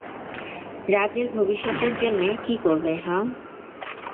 রাজের ভবিষ্যতের জন্যে কী করবে, হা?